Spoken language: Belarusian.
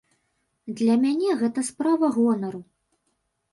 Для мяне гэта справа гонару.